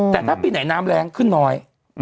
แต่ถ้าปีไหนน้ำแรงขึ้นน้อย